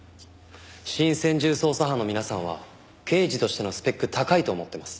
新専従捜査班の皆さんは刑事としてのスペック高いと思ってます。